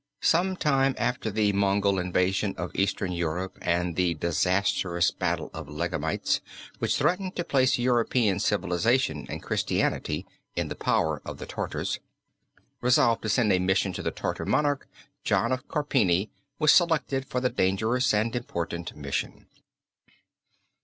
(sometime after the Mongol invasion of Eastern Europe and the disastrous battle of Legamites which threatened to place European civilization and Christianity in the power of the Tartars) resolved to send a mission to the Tartar monarch, John of Carpini was selected for the dangerous and important mission.